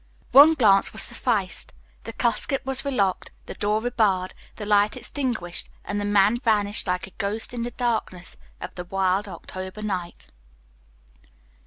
One glance sufficed, the casket was relocked, the door rebarred, the light extinguished, and the man vanished like a ghost in the darkness of the wild October night.